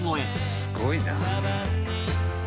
「すごいな」